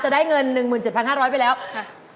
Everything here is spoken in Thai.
จะได้เงิน๑๗๕๐๐บาทไปแล้วนะคะ